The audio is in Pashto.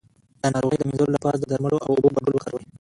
د ناروغۍ د مینځلو لپاره د درملو او اوبو ګډول وکاروئ